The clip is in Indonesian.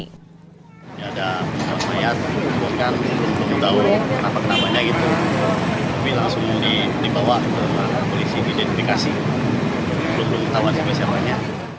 kenapa kenapanya gitu tapi langsung dibawa ke polisi dididikasi belum belum ditawarkan siapanya